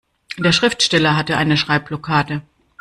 Der Schriftsteller hatte eine Schreibblockade.